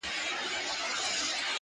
ستا له نسیم سره به الوزمه!